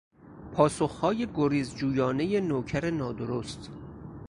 پاسخهای گریز جویانهی نوکر نادرست